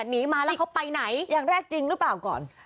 หนีมาแล้วเขาไปไหนอย่างแรกจริงหรือเปล่าก่อน